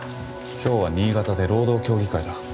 今日は新潟で労働協議会だ。